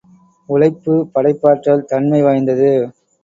உழைப்பு படைப்பாற்றல் தன்மை வாய்ந்தது.